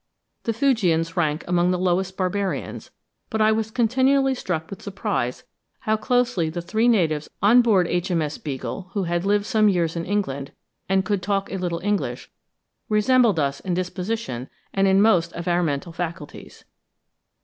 The Fuegians rank amongst the lowest barbarians; but I was continually struck with surprise how closely the three natives on board H.M.S. "Beagle," who had lived some years in England, and could talk a little English, resembled us in disposition and in most of our mental faculties.